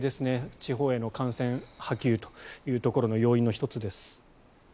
地方への感染波及というところの要因の１つです。